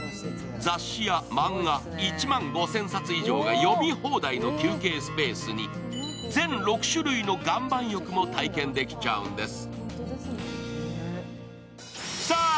雑誌や漫画、１万５０００冊以上が読み放題の休憩スペースに全６種類の岩盤浴も体験できちゃうんです。